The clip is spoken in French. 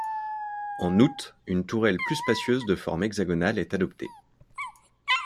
En août, une tourelle plus spacieuse de forme hexagonale est adoptée.